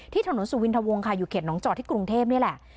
ถนนสุวินทวงค่ะอยู่เขตน้องจอดที่กรุงเทพนี่แหละ